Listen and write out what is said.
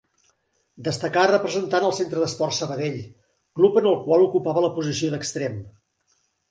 Destacà representant el Centre d'Esports Sabadell, club en el qual ocupava la posició d'extrem.